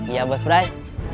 iya bos brai